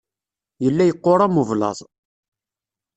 Yella yeqqur am ublaḍ.